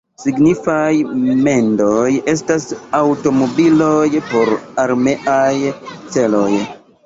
Signifaj mendoj estas aŭtomobiloj por armeaj celoj.